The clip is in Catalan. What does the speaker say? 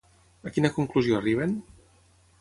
A quina conclusió arriben?